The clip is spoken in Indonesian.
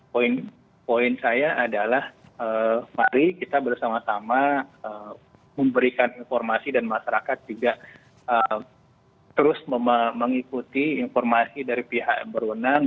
poin poin saya adalah mari kita bersama sama memberikan informasi dan masyarakat juga terus mengikuti informasi dari pihak yang berwenang